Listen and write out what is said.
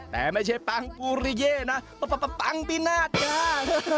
แต่ไม่ใช่ปังปูริเย่นะปังปีนาศจ้า